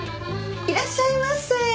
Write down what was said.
いらっしゃいませ。